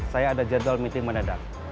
saya ada jadwal meeting menedang